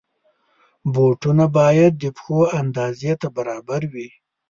بوټونه باید د پښو اندازې ته برابر وي.